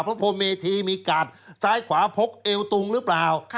พระพรมเมธีมีกาดซ้ายขวาพกเอวตุงหรือเปล่า